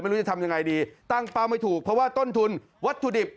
ไม่รู้จะทำยังไงดีตั้งเป้าไม่ถูกเพราะว่าต้นทุนวัตถุดิบ